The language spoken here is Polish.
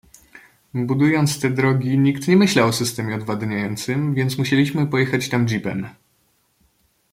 Budując te drogi, nikt nie myślał o systemie odwadniającym, więc musieliśmy pojechać tam jeepem.